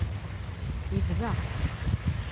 Yebda.